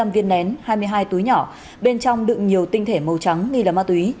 một mươi viên nén hai mươi hai túi nhỏ bên trong đựng nhiều tinh thể màu trắng nghi là ma túy